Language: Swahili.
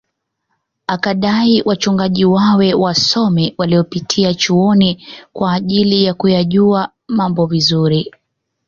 Akadai wachungaji wawe wasomi waliopitia chuoni kwa ajili ya kuyajua mabo vizuri